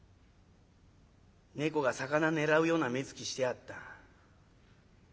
猫が魚狙うような目つきしてやがった。